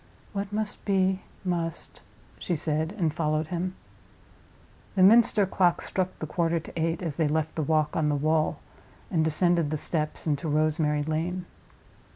"What must be, must," she said, and followed him. The Minster clock struck the quarter to eight as they left the Walk on the Wall and descended the steps into Rosemary Lane.